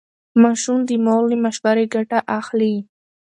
ماشوم د مور له مشورې ګټه اخلي.